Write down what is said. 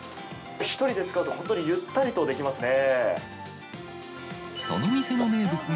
１人で使うと、本当にゆったりとできますね。